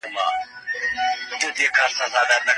انلاين زده کړه به د کور څخه مطالعه آسانه کړي.